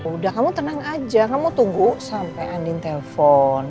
udah kamu tenang aja kamu tunggu sampe andin telepon